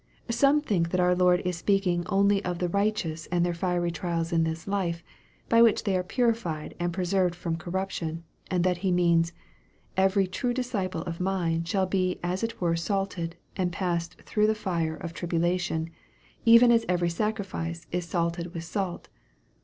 Some think that our Lord is speaking only of the righteoua and their fiery trials in this life, by which they are purified and preserved from corruption, and that He means li Every true dis ciple of mine shall be as it were salted and passed through the fire of tribulation, even as every sacrifice is salted with salt."